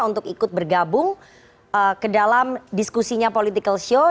untuk ikut bergabung ke dalam diskusinya political show